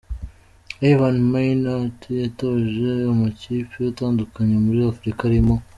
Ivan Minnaert yatoje amakipe atandukanye muri Afurika arimo;